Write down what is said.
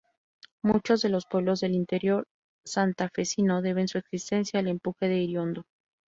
Muchos de los pueblos del interior santafesino deben su existencia al empuje de Iriondo.